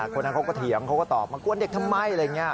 คนนั้นเขาก็เถียงเขาก็ตอบมากวนเด็กทำไมอะไรอย่างนี้